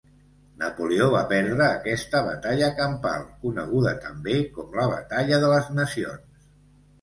Napoleó va perdre aquesta batalla campal, coneguda també com la batalla de les nacions.